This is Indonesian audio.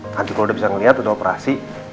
nanti kalau udah bisa ngeliat udah operasi